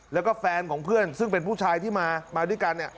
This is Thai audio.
แล้วก็แฟนของเพื่อนซึ่งเป็นผู้ชายที่มาด้วยกันเนี่ย